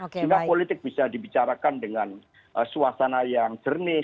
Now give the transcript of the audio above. sehingga politik bisa dibicarakan dengan suasana yang jernih